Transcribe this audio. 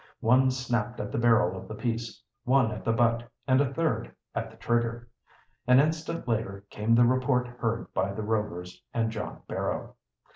One snapped at the barrel of the piece, one at the butt, and a third at the trigger. An instant later came the report heard by the Rovers and John Barrow.